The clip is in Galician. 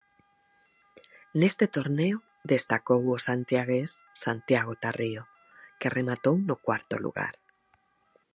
Neste torneo destacou o santiagués Santiago Tarrío, que rematou no cuarto lugar.